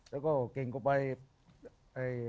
แล้วก็เก่งกว่าไป